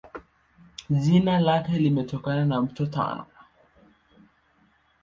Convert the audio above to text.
Jina lake limetokana na Mto Tana.